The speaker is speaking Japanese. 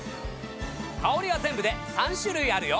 香りは全部で３種類あるよ！